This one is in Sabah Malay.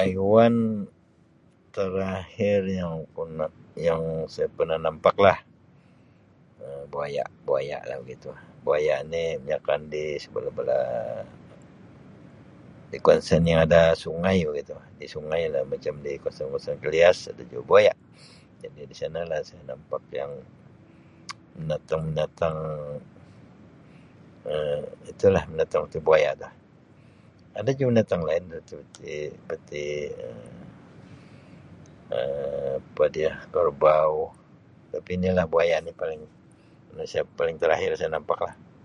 aiwan terakhir yang aku nam-yang saya pernah nampaklah Um buaya, buaya begitulah. Buaya ni kebanyakkan di sebelah-belah di kawasan yang ada sungai begitu. Di sungai lah macam di kawasan-kawasan Klias ada juga buaya. Jadi di sana lah saya nampak yang binatang-binatang Um itulah binatang itu, buaya tu. Ada juga binatang lain seperti-perti Um apa dia kerbau, tapi nilah buaya ni paling terakhir saya nampak lah.